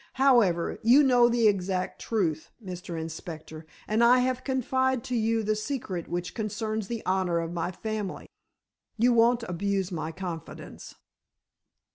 However, you know the exact truth, Mr. Inspector, and I have confided to you the secret which concerns the honor of my family. You won't abuse my confidence."